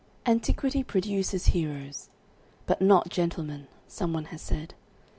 "Antiquity produced heroes, but not gentlemen," someone has said.